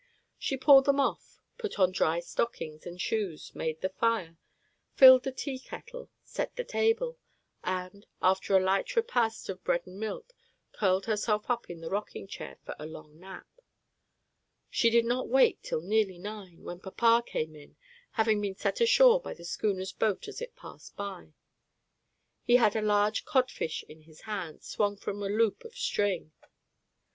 She pulled them off, put on dry stockings and shoes, made the fire, filled the tea kettle, set the table, and, after a light repast of bread and milk, curled herself up in the rocking chair for a long nap, and did not wake till nearly nine, when papa came in, having been set ashore by the schooner's boat as it passed by. He had a large codfish in his hand, swung from a loop of string.